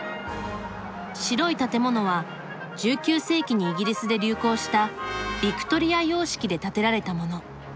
白い建物は１９世紀にイギリスで流行したビクトリア様式で建てられたもの。